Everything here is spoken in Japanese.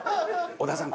織田さん